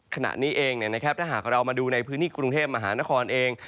ขณะนี้เองถ้าหากเรามาดูในพื้นที่กรุงเทพมหานครเอง